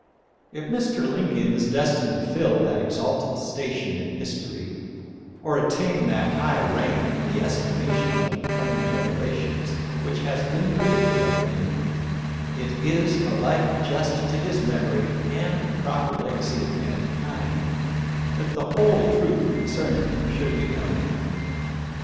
If Mr. Lincoln is destined to fill that exalted station in history or attain that high rank in the estimation of the coming generations which has been predicted of him, it is alike just to his mem ory and the proper legacy of mankind that the whole truth concerning him should be known.